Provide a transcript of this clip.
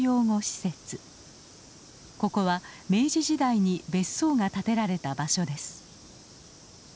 ここは明治時代に別荘が建てられた場所です。